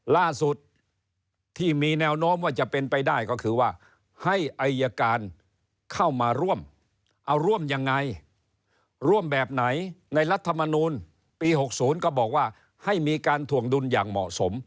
ล่าสุดที่มีแนวโน้มว่าจะเป็นไปได้ก็คือว่าให้อายการเข้ามาร่วมเอาร่วมยังไงร่วมแบบไหนในรัฐมนูลปี๖๐ก็บอกว่าให้มีการถ่วงดุลอย่างเหมาะสม